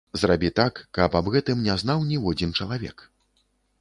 Зрабі так, каб аб гэтым не знаў ніводзін чалавек.